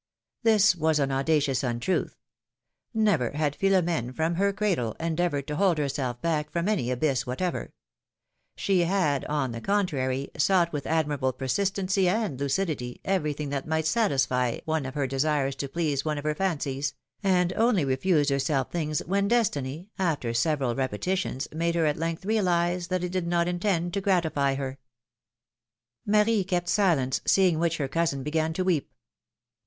This was an audacious untruth. Never had Philomene, from her cradle, endeavored to hold herself back from any 258 philomj^ne's marriages. abyss whatever; she had, on the contrary, sought with admirable persistency and lucidity everything that might satisfy one of her desires or please one of her fancies, and only refused herself things when destiny, after several repe titions, made her at length realize that it did not intend to gratify her. Marie kept silence, seeing which her cousin began to weep.